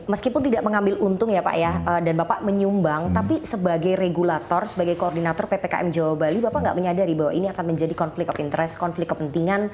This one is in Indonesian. meskipun tidak mengambil untung ya pak ya dan bapak menyumbang tapi sebagai regulator sebagai koordinator ppkm jawa bali bapak nggak menyadari bahwa ini akan menjadi konflik of interest konflik kepentingan